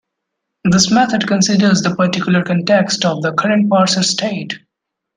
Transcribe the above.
This method considers the particular context of the current parser state.